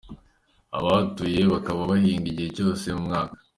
Abahatuye bakaba bahinga igihe cyose mu mwaka.